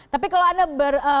tapi kalau anda mau ke